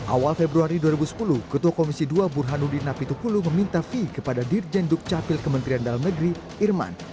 awal februari dua ribu sepuluh ketua komisi dua burhanuddin napi tukulu meminta fee kepada dirjen dukcapil kementerian dalam negeri irman